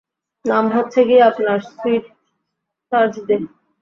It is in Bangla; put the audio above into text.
নাম হচ্ছে গিয়ে আপনার, সুইট থার্সডে।